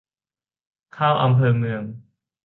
เข้าอำเภอเมือง